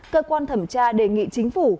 cơ quan thẩm tra đề nghị chính phủ